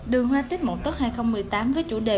đường hoa tết mộng tốt hai nghìn một mươi tám với chủ đề